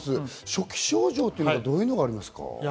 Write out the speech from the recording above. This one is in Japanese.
初期症状はどういうのがありますか？